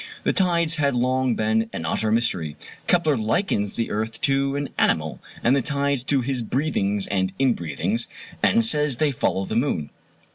The tides had long been an utter mystery. Kepler likens the earth to an animal, and the tides to his breathings and inbreathings, and says they follow the moon.